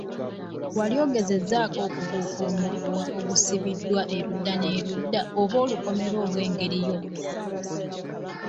Wali ogezezzaako okubuuka omuguwa ogusibiddwa eludda n'eludda oba olukomera olw'engeri yonna?